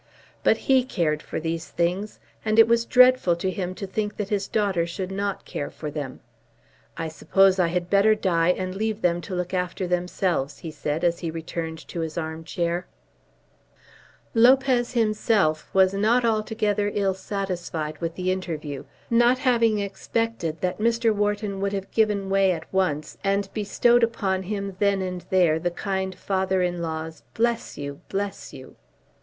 But he cared for these things; and it was dreadful to him to think that his daughter should not care for them. "I suppose I had better die and leave them to look after themselves," he said, as he returned to his arm chair. Lopez himself was not altogether ill satisfied with the interview, not having expected that Mr. Wharton would have given way at once, and bestowed upon him then and there the kind father in law's "bless you, bless you!"